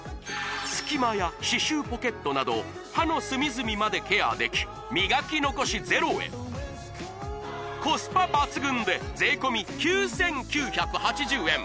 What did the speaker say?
隙間や歯周ポケットなど歯の隅々までケアでき磨き残しゼロへコスパ抜群で税込９９８０円